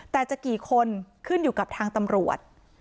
แต่จะกี่คนขึ้นอยู่กับทางตำรวจ